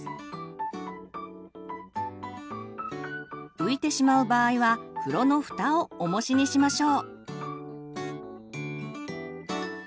浮いてしまう場合は風呂のふたをおもしにしましょう。